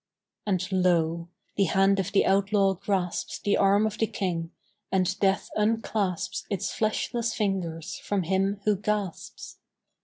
And, lo! the hand of the outlaw grasps The arm of the King and death unclasps Its fleshless fingers from him who gasps.